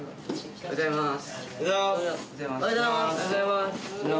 おはようございます。